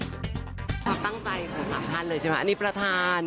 ความตั้งใจของสามท่านเลยใช่ไหมอันนี้ประธาน